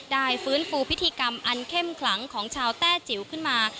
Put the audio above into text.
ฟื้นฟูพิธีกรรมอันเข้มขลังของชาวแต้จิ๋วขึ้นมา